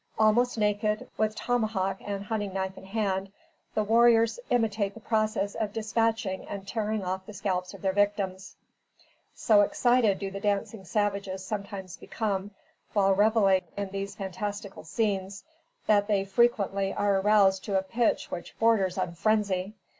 Almost naked, with tomahawk and hunting knife in hand, the warriors imitate the process of dispatching and tearing off the scalps of their victims. So excited do the dancing savages sometimes become while reveling in these fantastical scenes, that they frequently are aroused to a pitch which borders on frenzy.